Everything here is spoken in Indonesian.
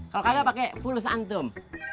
kalau kagak pake fulus antum